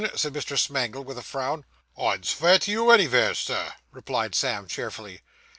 said Mr. Smangle, with a frown. 'I'd svear to you anyveres, Sir,' replied Sam cheerfully.